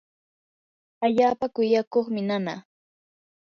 allaapa kuyakuqmi nanaa.